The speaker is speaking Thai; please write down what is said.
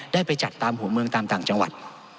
ได้ไปจัดตามหัวเมืองตามต่างจังหวัด